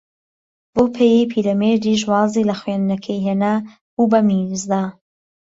بەو پێیەی پیرەمێردیش وازی لە خوێندنەکەی ھێنا، بوو بە میرزا